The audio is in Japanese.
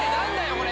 ⁉これ！